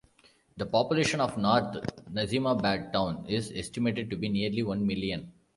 The population of North Nazimabad Town is estimated to be nearly one million.